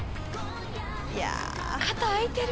肩開いてる。